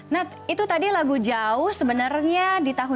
nad itu tadi lagu jauh sebenarnya di tahun dua ribu enam belas